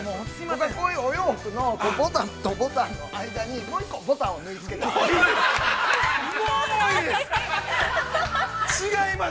僕はお洋服のボタンとボタンの間に、もう１個、ボタンを縫いつけています。